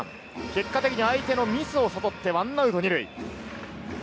結果的に相手のミスを誘って１アウト２塁。